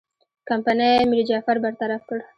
کمپنۍ میرجعفر برطرف کړ.